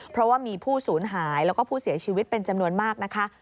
เพราะว่ามีผู้สูญหายแล้วก็ผู้เสียชีวิตเป็นจำนวนมากนะคะ